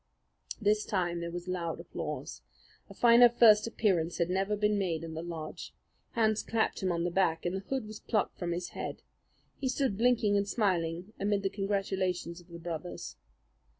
This time there was loud applause. A finer first appearance had never been made in the lodge. Hands clapped him on the back, and the hood was plucked from his head. He stood blinking and smiling amid the congratulations of the brothers.